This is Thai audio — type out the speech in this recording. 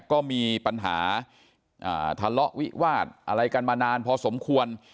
ก็มีปัญหาทะเลาะวิวาสอะไรกันมานานพอสมควร